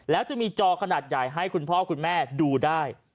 แล้วจะมีจอขนาดใหญ่ให้คุณพ่อคุณแม่ดูได้